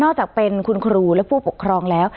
จากเป็นคุณครูและผู้ปกครองแล้ว